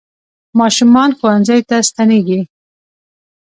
ماشومان ښوونځیو ته ستنېږي.